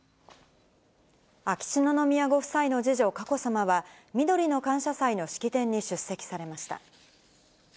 秋篠宮ご夫妻の次女、佳子さまは、みどりの感謝祭の式典に出席されました。